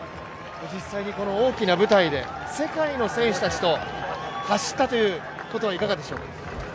実際に大きな舞台で世界の選手たちと走ったということはいかがでしょう？